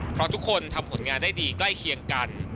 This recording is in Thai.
เพราะทุกคนทำผลงานได้ดีใกล้เคียงกัน